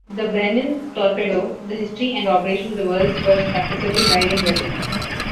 The Brennan Torpedo: The history and operation of the World's first practicable guided weapon.